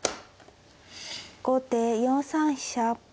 後手４三飛車。